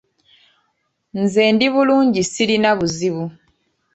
Nze ndi bulungi sirina buzibu.